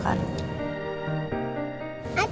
kau rumah opa sama oma